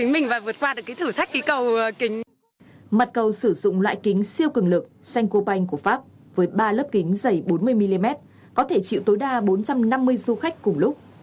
mặt cầu sử dụng lại kính siêu cường lực xanh cop banh của pháp với ba lớp kính dày bốn mươi mm có thể chịu tối đa bốn trăm năm mươi du khách cùng lúc